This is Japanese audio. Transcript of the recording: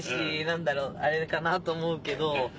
何だろうあれかなと思うけど。